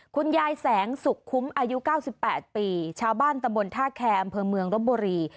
คุณยายแสงสุขคุ้มอายุ๙๘ปีชาวบ้านตำบลท่าแคร์อำเภอเมืองรบบุรี